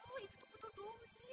aduh ibu tuh betul doi